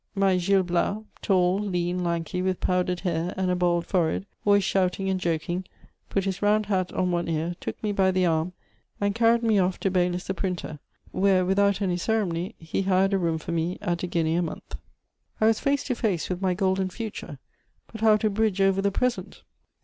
My Gil Blas, tall, lean, lanky, with powdered hair and a bald forehead, always shouting and joking, put his round hat on one ear, took me by the arm, and carried me off to Baylis the printer, where, without any ceremony, he hired a room for me at a guinea a month. I was face to face with my golden future; but how to bridge over the present?